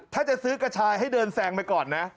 ถ้าจะซื้อกระชายให้เดินแซงไปก่อนนะ